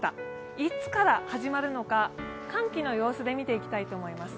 いつから始まるのか、寒気の様子で見ていきたいと思います。